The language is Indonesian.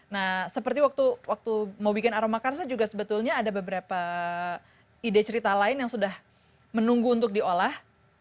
nah seperti waktu mau bikin aroma karsa juga sebetulnya ada beberapa ide cerita lain yang sudah menunggu untuk diolah